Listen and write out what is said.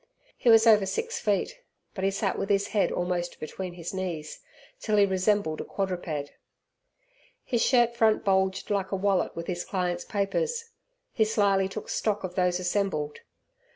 He was over six feet, but he sat with his head almost between his knees, till he resembled a quadruped. His shirt front bulged like a wallet with his clients' papers. He slyly took stock of those assembled.